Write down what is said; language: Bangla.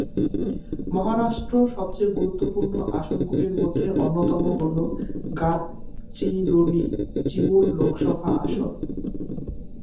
মহারাষ্ট্র সবচেয়ে গুরুত্বপূর্ণ আসনগুলির মধ্যে অন্যতম হল গাদচিরোলি-চিমুর লোকসভা আসন।